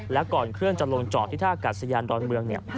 และก่อนเครื่องจะลงจอดที่ท่ากัดสยานดอนเมืองเนี่ย